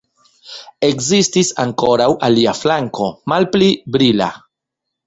Ekzistis ankoraŭ alia flanko, malpli brila.